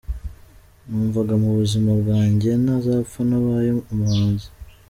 Numvaga mu buzima bwanjye ntazapfa ntabaye umuhanzi.